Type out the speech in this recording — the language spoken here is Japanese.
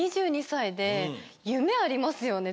２２歳で夢ありますよね。